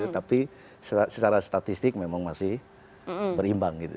tapi secara statistik memang masih berimbang gitu